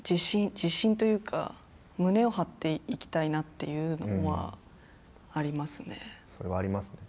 自信というか胸を張っていきたいなというのはありますね。